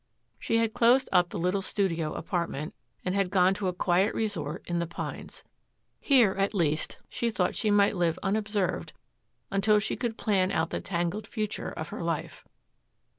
She had closed up the little studio apartment, and had gone to a quiet resort in the pines. Here, at least, she thought she might live unobserved until she could plan out the tangled future of her life.